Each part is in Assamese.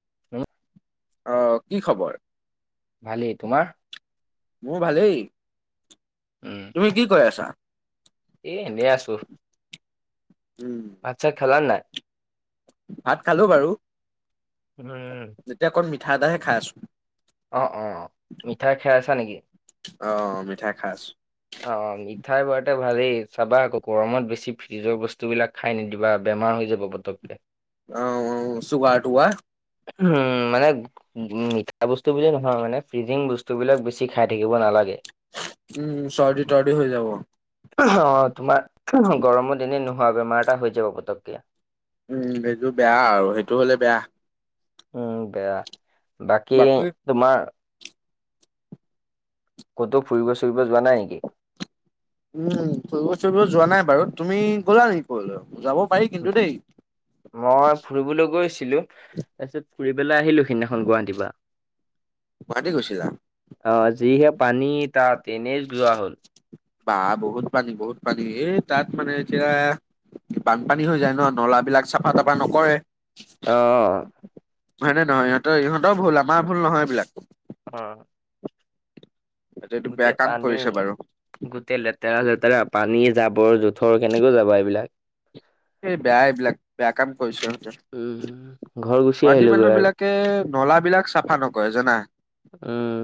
[unintelligible] অ', কি খবৰ? ভালেই, তোমাৰ? মোৰ ভালেই। উম। তুমি কি কৈ আছা? এ এনেই আছোঁ। উম। ভাত চাত খেলানে নাই? ভাত খালো বাৰু, উম এতিয়া অকণ মিঠা এটাহে খাই আছোঁ। অহ অ অ। মিঠাই খাই আছা নিকী? অ মিঠাই খাই আছোঁ। অ অ মিঠাই বাৰুতে ভালেই চাবা আকৌ গৰমত বেছি ফ্ৰিজৰ বস্তুবিলাক খাই নিদিবা বেমাৰ হৈ যাব পটকে। অ চুগাৰ টুগাৰ। উম মানে মিঠা বস্তু বুলি নহয় মানে ফ্ৰিজিং বস্তু বস্তুবিলাক বেছি খাই থাকিব নোলাগে। উম চৰ্দি তৰ্দি হৈ যাব। অ তোমাৰ গৰমৰ দিনে নোহোৱা বেমাৰ এটা হৈ যাব পতকে। উম এইটো বেয়া ইেইটো হ'লে বেয়া। উম বেয়া, বাকী তোমাৰ কতো ফুৰিব চুৰিব যোৱা নাই নিকী? উম ফুৰিব চুৰিব যোৱা নাই বাৰু, তুমি গ'লা নেকি কবালৈ যাব পাৰি কিন্তু দেই। মই ফুৰিবলৈ গৈছিলো তাৰপিছত ফুৰিপেলাই আহিলো সেইদিনাখন গুৱাহাটীপা। গুৱাহাটী গৈছিলা? অ যিহে পানী তাত এনেই যোৱা হ'ল। বা বহুত পানী বহুত পানী এই তাত মানে এতিয়া বানপানী হৈ যায় ন, নলা বিলাক চাফা তাফা নকৰে। অঁ। হয় নে নহয়? ইহঁতৰ ইহঁতৰ ভুল আমাৰ ভুল নহয় এইবলাক। অ। এইটো বেয়া গোটেই কাম পানী। কৰিছে বাৰু। গোটেই লেতেৰা চেতেৰা পানী জাবৰ জোথৰ কেনেকৈ যাবা এইবিলাক। এই বেয়া এইবিলাক বেয়া কাম কৰিছে ইহঁতে। উম ঘৰ গুচি গুৱাহাটী আহিলোগৈ আৰু মানুহবিলাকে নলাবিলাক চাফা নকৰে জানা। উম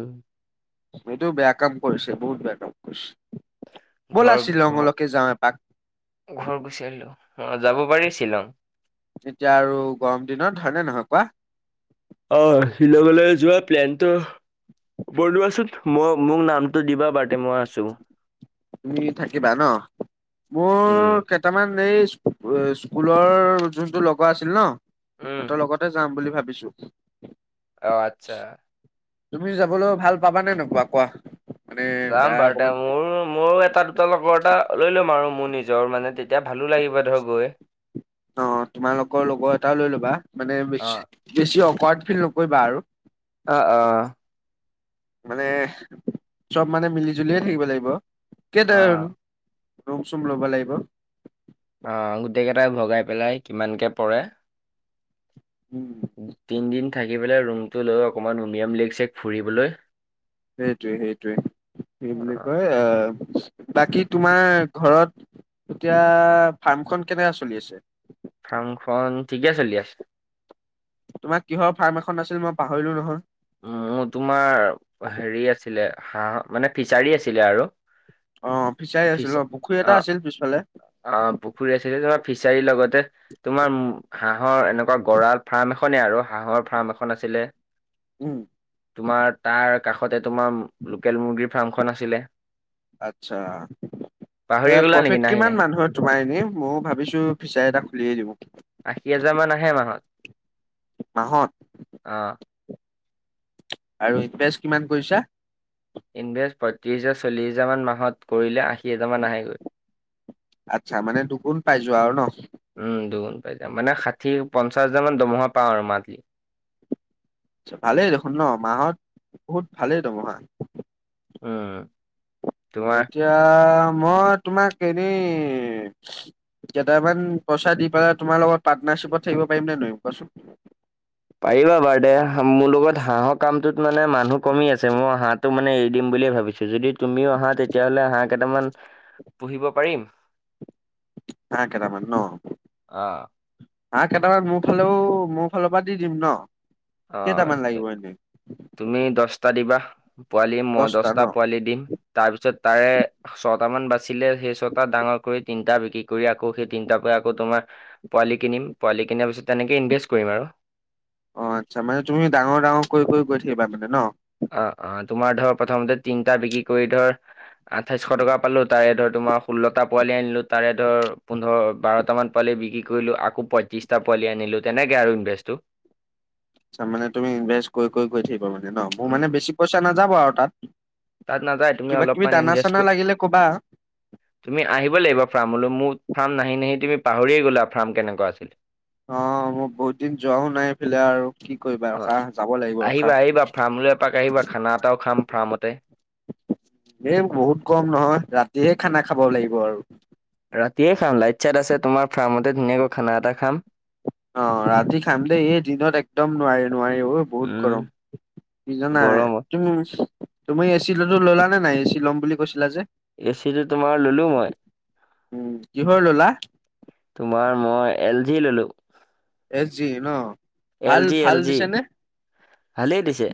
এইটো বেয়া কাম কৰিছে বহুত বেয়া কাম কৰিছে। ঘৰ ঘৰ এপাক। ঘৰ গুচি আহিলো, অ যাব পাৰি শ্বিলং। এতিয়া আৰু গৰম দিনত হয়নে নহয় কোৱা? অ শিলংলৈ যোৱা প্লেনটো বনোৱাচোন মই মোক নাম দিবা বাদে মই আছোঁ। তুমি থাকিবা ন উম মোৰ কে দুতামান এই স্কুলৰ যোনটো লগৰ আছিল ন উম সিহঁতৰ লগতে যাম বুলি ভাবিছো। অ আচ্ছা। তুমি যাবলৈ ভাল পাবা নে নোপোৱা কোৱা? মানে চাম বেয়া বাৰু তা অকমান মোৰো মোৰ মৌ এটা দুটা লগৰ এটা লৈ ল'ম আৰু মোৰ নিজৰ মানে তেতিয়া ভালো লাগিব। ধৰ গৈ। অ তোমালোকৰ লগৰ এটাও লৈ ল'বা, মানে অ', বিশ্বাস বেছি অকাথ ফিল নকৰিবা আৰু। আ আ মানে চব মানে মিলি জুলিয়ে থাকিব লাগিব। কেইতেল ৰুম চোম ল'ব লাগিব। অ', গোটেই কেইটাই ভগাই পেলাই কিমানকে পৰে। উম। তিন দিন থাকি পেলাই ৰুমটো লৈ অকণমান উমিয়াম লেগ চেক ফুৰিবলৈ। সেইটোৱে সেইটোৱে কি বুলি অ', কয় অহ বাকী তোমাৰ ঘৰত এতিয়া ফাৰ্মখন কেনেকা চলি আছে? ফাৰ্মখন ঠিকে চলি আছে। তোমাৰ কিহৰ ফাৰ্ম এখন আছিল মই পাহৰিলো নহয়। মোৰ তোমাৰ হেৰি আছিলে হাঁহ মানে ফিচাৰী আছিলে আৰু। অ', ফিচাৰি ফিচ আছিল অ', পুখুৰী এটা অ', আছিল পিছফালে। অ', পুখুৰী আছিলে, তোমাৰ ফিচাৰীৰ লগতে। তোমাৰ হাঁহৰ এনেকুৱা গৰাল ফাৰ্ম এখনে আৰু হাঁহৰ ফাৰ্ম এখন আছিলে। উম। তোমাৰ তাৰ কাষতে তোমাৰ লোকেল মুৰ্গীৰ ফাৰ্মখন আছিলে। আচ্ছা, পাহৰি এ গ'লা নেকি প্ৰফিট নাহি নাহি কিমান মানুহৰ তোমাৰ এনেই ময়ো ভাবিছো ফিচাৰি এটা খুলিয়েই দিওঁ। আশী হাজাৰ মান আহে মাহত মাহত অ'। আৰু ইনভেষ্ট কিমান কৰিছা? ইনভেষ্ট পত্ৰিছ হাজাৰ, চল্লিছ হাজাৰমান মাহত কৰিলে আশী হাজাৰ মান আহেগৈ। আচ্ছা, মানে দুগুণ পাই যোৱা আৰু ন'। উম, দুগুণ পাই যাম মানে ষাঠি, পঞ্চাশ হাজাৰ মান দমহা পাওঁ আৰু মান্থলি। ভালেই দেখোন ন' মাহত বহুত ভালেই দমহা। উম। তোমাৰ এতিয়া মই তোমাক এনেই কেইটামান পইচা দি পেলাই তোমাৰ লগত পাৰ্টনাৰশ্বিপত থাকিব পাৰিম নে নোৱাৰিম কোৱাচোন? পাৰিবা বাৰু দে মোৰ লগত হাঁহৰ কামটোত মানে মানুহ কমি আছে, মোৰ হাত ত' মানে এৰি দিম বুলি ভাবিছো, যদি তুমিও আহা তেতিয়াহ'লে হাঁহ কেইটামান পুহিব পাৰিম। হাঁহ কেটামান ন'। অ হাঁহ কেইটামান মোৰ ফালেও মোৰ ফালৰ পৰা দি দিম ন'। কেইটামান অ', লাগিব এনেই? তুমি দশটা দিবা। পোৱালিয়ে মই দছটা ন? দশটা পোৱালি দিম তাৰ পিছত তাৰে ছটামান বাচিলে সেই ছটা ডাঙৰ কৰি তিনিটা বিক্ৰী কৰি আকৌ সেই তিনটা পৰা আকৌ তোমাৰ পোৱালি কিনিম, পোৱালি কিনাৰ পিছত তেনেকৈ ইভেষ্ট কৰিম আৰু। অ', আচ্ছা মানে তুমি ডাঙৰ ডাঙৰ কৰি কৰি গৈ থাকিবা মানে ন'। অ', অ', তোমাৰ ধৰ প্ৰথমতে তিনিটা বিক্ৰী কৰি ধৰ আঠাইছশ টকা পালোঁ, তাৰে ধৰ তোমাৰ ষোল্লটা পোৱালি আনিলো তাৰে ধৰ পোন্ধৰ, বাৰটামান পালি বিক্ৰী কৰিলোঁ আকৌ পত্ৰিশটা পোৱালী আনিলো তেনেকে আৰু ইনভেষ্টটো। ছা মানে তুমি ইনভেষ্ট কৰি কৰি গৈ থাকিবা মানে ন' মোৰ উম, মানে বেছি পইচা নাযাব আৰু তাত। তাত নাযায় তুমি কিবা কিবি অলপমান দানা ইনভেষ্ট চানা কৰি লাগিলে ক'বা। তুমি আহিব লাগিব ফাৰ্মলৈ মোৰ ফাৰ্ম নাহি নাহি তুমি পাহৰিয়ে গ'লা আৰু ফাৰ্ম কেনেকুৱা আছিল। অ', মই বহুত দিন যোৱাও নাই এইফালে আৰু কি কৰিবা অ ৰখা যাব লাগিব ৰখা। আহিবা আহিবা ফাৰ্মলৈ এপাক আহিবা খানা এটাও খাম ফাৰ্মতে। এই বহুত কম নহয় ৰাতিহে খানা খাব লাগিব আৰু। ৰাতিয়ে খাম লাইট চাইট আছে তোমাৰ ফাৰ্মতে ধুনীয়াকৈ খানা এটা খাম। অ্ ৰাতি খাম দেই এই দিনত একদম নোৱাৰি নোৱাৰি অ' বহুত উম গৰম। কি জানা গৰমত। তুম তুমি এচি লতো ল'লা নে নাই এচি ল'ম বুলি কৈছিলা যে। এ চি টো তোমাৰ ললোঁ মই। উম কিহৰ ল'লা? তোমাৰ মই এল জি ল'লোঁ। এল জি ন এল ভাল জি ভাল এল জি দিছে নে? ভালেই দিছে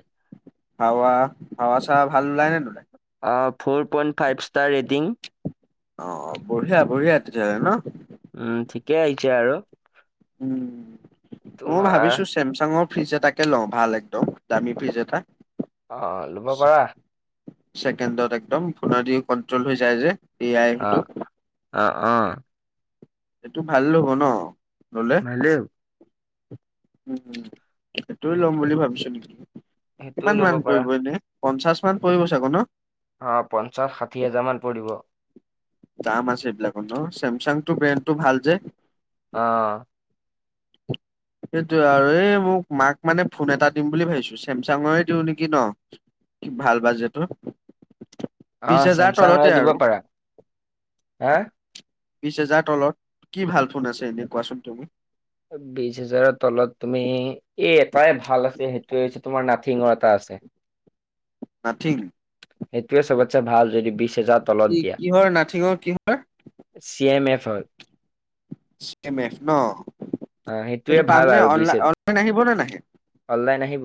হাৱা হাৱা চাৱা ভাল ওলাই নে নোলাই আ four point five star rating অ অ বঢ়িয়া বঢ়িয়া তেতিয়া হ'লে ন উম ঠিকে আহিছে আৰু। উম ময়ো তোমাৰ ভাবিছোচ চেমচাঙৰ ফ্ৰিজ এটাকে লওঁ ভাল একদম দামী ফ্ৰিজ এটা। অ অ ল'ব পাৰা। ছেকেণ্ডত একদম ফোনেদি কণ্ট্ৰল হৈ যায় যে এ আই আ সেইটো আ অ। এইটো ভাল ল'ব ন ল'লে? হেল্ল' উম উম সেইটোৱে হ'ব। ল'ম বুলি ভাবিছ নেকি? সেইটোও কিমান ল'ব মান পাৰা পৰিব এনে? পঞ্চাশ মান পৰিব চাগৈ ন? অ পঞ্চাশ, ষাঠি হাজাৰ মান পৰিব। দাম আছে এইবিলাকৰ ন চেমচাংটো ব্ৰেণ্ডটো ভাল যে। অ সেইটোয়ে আৰু এই মোক মাক মানে ফোন এটা দিম বুলি ভাবিছো চেমচাঙৰে দিওঁ নিকি ন? ভাল বাজেটৰ অ বিশ হেজাৰ ছেমছাং ৰে তলতে দিব আৰু পাৰা হা বিশ হেজাৰ তলত কি ভাল ফোন আছে এনে কোৱাচোন তুমি? বিশ হাজাৰৰ তলত তুমি এ এটাই ভাল আছে সেইটোৱে হৈছে তোমাৰ নাথিংৰ এটা আছে। নাথিং সেইটোৱে চবতছে ভাল যদি বিশ হেজাৰ তলত কি দিয়া। কিহৰ নাথিঙৰ কিহৰ চি এম এফ হয় চি এম এফ ন? অ' সেইটো সেইটোৱে পাম ভাল নে? আৰু বিশ অনলাইন হেজাৰ অনলাইন আহিবনে নাহে। অনলাইন আহিব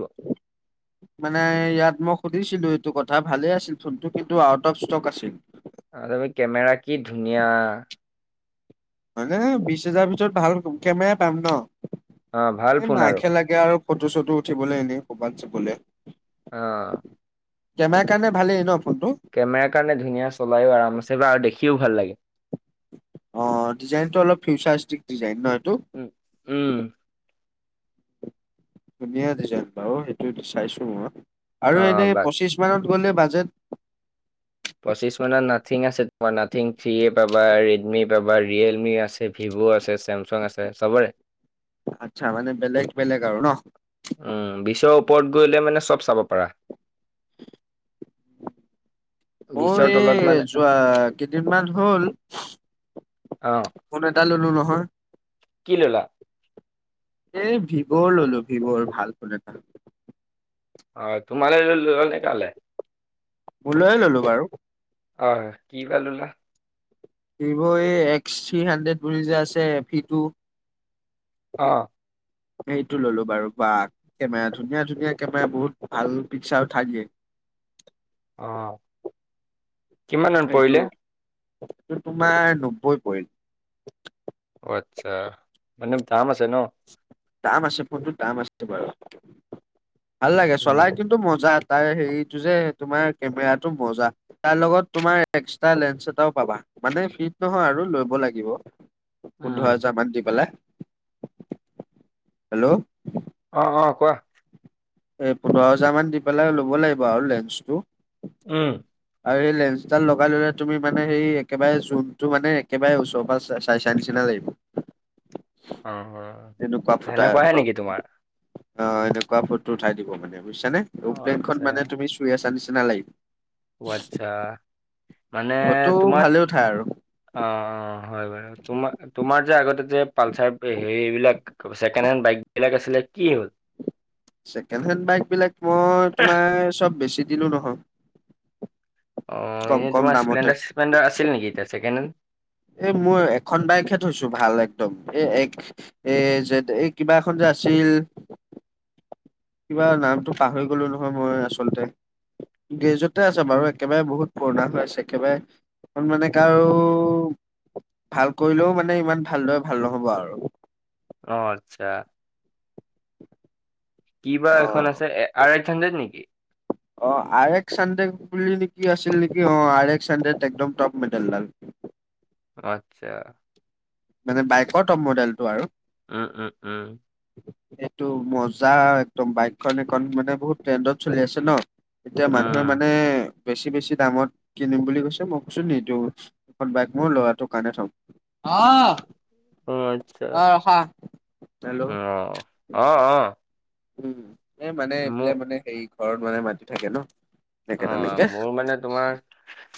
মানে ইয়াত মই সুধিছিলোঁ এইটো কথা ভালেই আছিল ফোনটো কিন্তু আউট অফ ষ্টক আছিল। আৰে ভাই কেমেৰা কি ধুনীয়া। মানে বিশ হাজাৰ ভিতৰত ভাল কেমেৰাই পাম ন অ' ভাল এই ফোন আৰু। মাক হে লাগ কে আৰু ফটো চটো উঠিবলে এনে ক'বাত যাবলে। অ কেমেৰা কাৰণে ভালেই ন ফোনটো কেমেৰাৰ কাৰণে ধুনীয়া, চলাইও আৰাম আছে, আৰু দেখিও ভাল লাগে। অ ডিজাইনটো অলপ ফিউচাৰষ্টিক ডিজাইন ন এইটো? উম উম। ধুনীয়া ডিজাইন বাৰু সেইটো চাইছো মই আৰু অ' এনেই বাক পঁচিছ মানত গ'লে বাজেট পঁচিছ মানত নাথিং আছে তোমাৰ নাথিং থ্ৰ্ৰী এ পাবা ৰেডমি পাবা ৰিয়েলমি আছে। ভিভো আছে চেমচাং আছে চবৰে আচ্ছা! মানে, বেলেগ-বেলেগ আৰু ন'? উম, বিছৰ ওপৰত গ'লে, মানে চব চাব পাৰা। বিশৰ মই তলত এই মানে যোৱা, কেইদিনমান হ'ল। অ ফোন এটা ল'লো নহয়। কি ল'লা? এই, ভিভোৰ ল'লোঁ, ভিভোৰ। ভাল ফোন এটা। অ'! তোমালে লৈ [unintelligible] কালে? মোৰ লৈয়ে ল'লোঁ বাৰু। হয়, কি বা ল'লা? ভিভো এই, এক্স থ্ৰী হাণ্ড্ৰেড বুলি যে আছে, ভি টো। অ'! সেইটো ল'লো বাৰু বা [unintelligible] কেমেৰা, ধুনীয়া-ধুনীয়া কেমেৰা, বহুত ভাল পিক্সাৰ উঠাই দিয়ে! অ'! কিমান মান এইটো? পৰিলে এইটো তোমাৰ নব্বৈ পৰিল। অ' আচ্ছা! মানে, দাম আছে ন'? দাম আছে, ফোনটো দাম আছে বাৰু। ভাল লাগে উম চলাই। কিন্তু, মজা! তাৰ, সেৰিটো যে, তোমাৰ কেমেৰাটো মজা! তাৰ লগত তোমাৰ এক্সট্ৰা লেন্স এটাও পাবা। মানে, ফিট নহয় আৰু ল'ব লাগিব। উম পোন্ধৰ হাজাৰ মান দি পেলাই। হেল্ল'? অ' অ'! কোৱা? এ, পোন্ধৰ হাজাৰ মান দি পেলাই, ল'ব লাগিব আৰু লেন্সটো। উম! আৰু সেই, লেন্সডাল লগাই ল'লে, তুমি মানে, সেই একেবাৰে জোনটো মানে, একেবাৰে ওচৰপা চাই-চাই নিচিনা লাগিব। অ তেনেকুৱা ফুটা সেনেকুৱাহে [unintelligible] অ'! নেকি তোমাৰ এনেকুৱা ফটো উঠাই দিব মানে। বুজিছানে? অ এৰোপ্লেনখন আচ্ছা মানে, তুমি চুই আছা নিচিনা লাগিব। অ' আচ্ছা! মানে, ফটো তোমাৰ ভালে উঠাই আৰু অ' অ'! হয় বাৰু। তোমাৰ, তোমাৰ যে, আগতে যে পালচাৰ। সেৰিবিলাক, ছেকেণ্ড হেণ্ড বাইক বিলাক আছিলে, কি হ'ল? ছেকেণ্ড হেণ্ড বাইক বিলাক, মই তোমাৰ, চব বেছি দিলোঁ নহয়। অ'! কম এনেই কম তোমাৰ, দামতে। স্প্লেণ্ডাৰ [unintelligible] আছিল নেকি, এতিয়া ছেকেণ্ড হেণ্ড? এই মই, এখন বাইকহে থৈছোঁ, ভাল একদম। এ, এক এ, যে এই, কিবা এখন যে আছিল। কিবা নামটো পাহৰি গ'লোঁ নহয়, মই আচলতে। গ্ৰেজতে আছে বাৰু। একেবাৰে বহুত পুৰণা হৈ আছে, একেবাৰে? এখন মানে কাৰোঁ, ভাল কৰিলেও মানে, ইমান ভালদৰে ভাল নহ'ব আৰু। অ' আচ্ছা! কি বা অ। এখন আছে! আৰ এক্স হাণ্ড্ৰেড নেকি? অ'! আৰ এক্স হাণ্ড্ৰেড বুলি নেকি, আছিল নেকি! অ'! আৰ এক্স হাণ্ড্ৰেড, একদম টপ মডেল ডাল। আচ্ছা! মানে, বাইকৰ টপ মডেলটো আৰু। উম, উম, উম। এইটো মজা একদম! বাইকখন এখন মানে, বহুত ট্ৰেণ্ডত চলি আছে ন'। এতিয়া, মানুহে উম মানে, বেছি-বেছি দামত কিনিম বুলি কৈছে! মই কৈছোঁ, নিদিওঁ। বাইক মোৰ ল'ৰাটো কাৰণে থম। অ আচ্ছা অ ৰখা। হেল্ল' অ অ অ উম এ মানে এইফালে মোক মানে হেৰি ঘৰত মানে মাতি থাকে ন। অ তেনেকে তেনেকে। মোৰ মানে তোমাৰ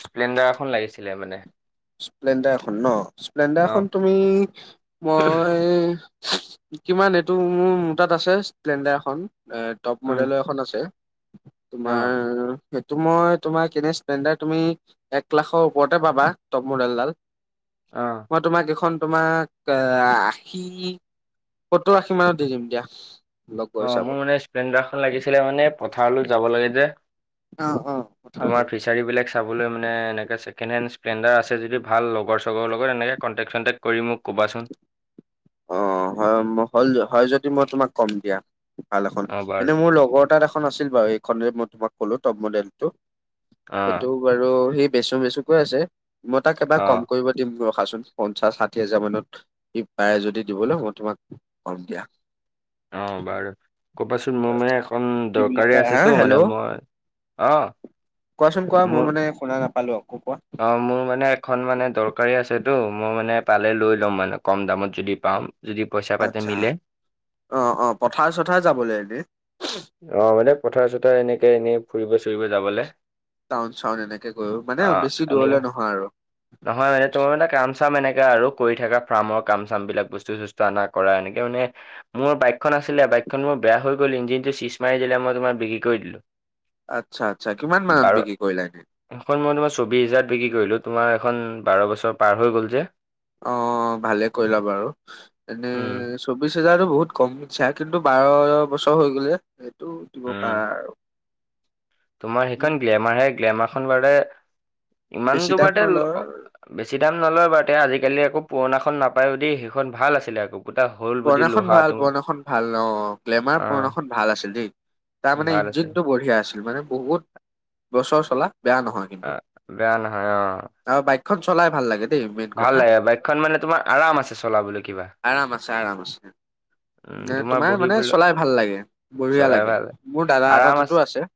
স্প্লেণ্ডাৰ এখন লাগিছিলে মানে। স্প্লেণ্ডাৰখন ন। অ স্প্লেণ্ডাৰখন তুমি মই কিমান এইটো মোৰ মো তাত আছে স্প্লেণ্ডাৰ এখন। এ টপ উম মডেলৰ এখন আছে। অ তোমাৰ। সেইটো মই তোমাৰ কেনে স্প্লেণ্ডাৰ্ তুমি এক লাখৰ ওপৰতে পাবা। টপ মডেল ডাল। অ'। মই তোমাক এইখন তোমাক আষি। সত্তৰ আশী মানত দি দিম দিয়া। লগৰ অ' হিচাপত। মোৰ মানে স্প্লেণ্ডাৰখন লাগিছিলে মানে পথাৰলৈ যাব লাগে যে। অ', অ' পথাৰলৈ। গাৰিবিলাক চাবলে মানে এনেকৈ চেকেণ্ড হেণ্ড স্প্লেণ্ডাৰ আছে যদি ভাল লগৰ চৰ লগত এনেকে কণ্টেক চণ্টেক। কৰি মোক ক'বাচোন। অ' হয় হল হয় যদি মই তোমাক কম দিয়া ভাল এখন অ বাৰু এনে মোৰ লগৰ তাত এখন, এখন আছিল বাৰু এইখন যে মই তোমাক কলো টপ মডেল টো অ সেইটো। বাৰু সি বেচো বেচু কৈ আছে মই তাক এবাৰ অ কম কৰিব নি সুধিম ৰখাচোন পঞ্চাশ ষাঠি হাজাৰ মানত। সি পাৰে যদি দিবলৈ মই তোমাক কম দিয়া। অ', বাৰু কবাচোন মোৰ মানে এখন কি বুলি দৰকাৰী কয় হা আছেতো মানে হেল্ল' মই, অ'। কোৱাচোন কোৱা মই মানে শুনা নাপালো আকৌ কোৱা। অঁ মোৰ মানে এখন মানে দৰকাৰী আছেতো মই মানে পালে লৈ ল'ম মানে কম দামত যদি পাম। যদি পইচা পাতে আচ্ছা মিলে। অ', অ', পথাৰ চথাৰে যাবলৈ এনে। অ', মানে পথাৰ চথাৰ এনেকে এনেই ফুৰিব চুৰিব যাবলে। টাউন-চাউন এনেকে গৈউ মানে অ', বেছি এনেকে দূৰলে নহয় আৰু। নহয় মানে তোমাৰ মানে কাম চাম এনেকাে আৰু কৰি থকা ফাৰ্মৰ কাম চাম বিলাক বস্তু চষ্টো আনা কৰা এনেকে মানে। মোৰ বাইকখন আছিলে বাইকখন মোৰ বেয়া হৈ গ'ল ইঞ্জিনটো চিচ মাৰি দিলে মই তোমাৰ বিক্ৰী কৰি দিলোঁ। আচ্ছা, আচ্ছা কিমান মানত বাৰ বিকি কৰিলা এনে? এখন মই তোমাৰ চৌবিশ হাজাৰত বিক্ৰী কৰিলো তোমাৰ এইখন বাৰ বছৰ পাৰ হৈ গ'ল যে। অ', ভালে কৰিলা বাৰু এনে উম স্কু চৌবিছ হোজাৰতো বহুত কম চাই কিন্তু বাৰ বছৰ হৈ গ'ল যে, সেইটো দিব উম পাৰা আৰু। তোমাৰ উম, সেইখন গ্লেমাৰ হে গ্লেমাৰখন বাৰে বেছি ইমানটো দাম পাৰে নলয়। ল, বেছি দাম নলয় বাৰু তে আজিকালি আকৌ পুৰণাখন নাপায়ওদি সেইখন ভাল আছিলে আকৌ। কিবা এটা হল। বডি পুৰণাখন লোহা ভাল তোমাৰ পুৰণাখন ভাল অ', অ গ্লেমাৰ পুৰণাখন ভাল আছিল দেই। তাৰ মানে ভাল আছে ইঞ্জিনটো বঢ়িয়া আছিল মানে বহুত, বছৰ চলা বেয়া নহয়। আ কিন্তু। বেয়া নহয় অ'। আৰু বাইকখন চলাই ভাল লাগে। দেই মেইন ভাল কথা। লাগে বাইকখন মানে তোমাৰ আৰাম আছে চলাবলৈ কিবা। চাৰামছে। উম যে তোমাৰ মানে বহিবলৈ চলাই ভাল লাগে, বঢ়িয়া চলাই লাগে ভাল মোৰ দাদা এটা তাতো আছে।